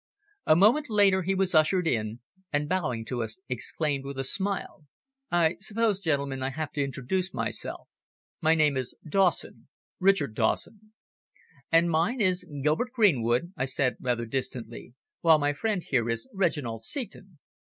A moment later he was ushered in, and bowing to us exclaimed with a smile "I suppose, gentlemen, I have to introduce myself. My name is Dawson Richard Dawson." "And mine is Gilbert Greenwood," I said rather distantly. "While my friend here is Reginald Seton."